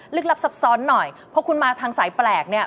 ลับซับซ้อนหน่อยเพราะคุณมาทางสายแปลกเนี่ย